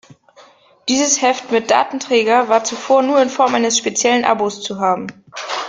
Dieses Heft mit Datenträger war zuvor nur in Form eines speziellen Abos zu haben.